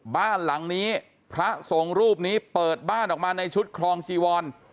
บ้านหลังนี้พระสงฆ์รูปนี้เปิดบ้านออกมาในชุดครองจีวร